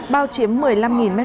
bao chiếm một mươi năm m hai đất